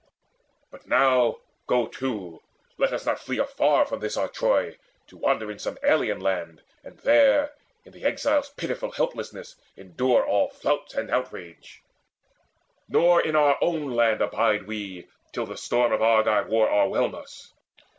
But now, go to, Let us not flee afar from this our Troy To wander to some alien land, and there, In the exile's pitiful helplessness, endure All flouts and outrage; nor in our own land Abide we till the storm of Argive war O'erwhelm us.